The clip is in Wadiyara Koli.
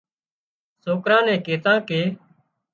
سوڪران نين ڪيتان ڪي